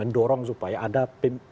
mendorong supaya ada pemilihan yang jelas